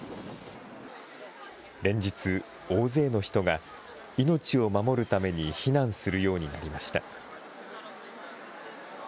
連日、大勢の人が命を守るために避難するようになりました。